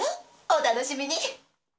お楽しみに。